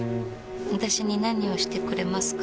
私に何をしてくれますか？